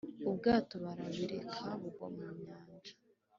ubwato barabireka bugwa mu nyanja